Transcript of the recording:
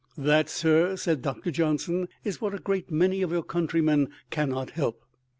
"That, sir," said Doctor Johnson, "is what a great many of your countrymen cannot help."